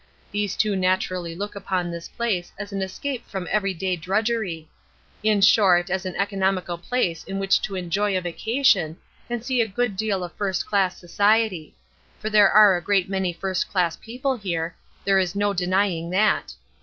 Those two naturally look upon this place as an escape from every day drudgery; in short, as an economical place in which to enjoy a vacation and see a good deal of first class society; for there are a great many first class people here, there is no denying that.